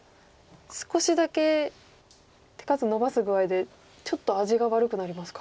少しだけ手数のばす具合でちょっと味が悪くなりますか。